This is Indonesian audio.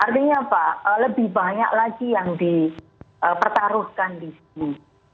artinya apa lebih banyak lagi yang dipertaruhkan di sini